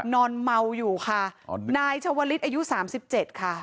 นอนเมาอยู่ค่ะนายชาวลิศอายุสามสิบเจ็ดค่ะ